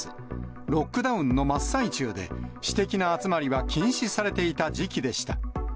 ロックダウンの真っ最中で、私的な集まりは禁止されていた時期でした。